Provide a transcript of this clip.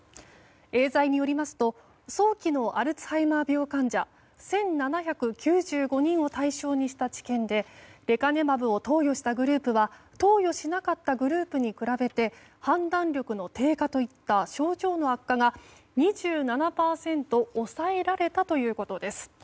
エーザイによりますと早期のアルツハイマー病患者１７９５人を対象にした治験でレカネマブを投与したグループは投与しなかったグループに比べて判断力の低下といった症状の悪化が２７％抑えられたということです。